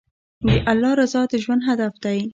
د الله رضا د ژوند هدف دی.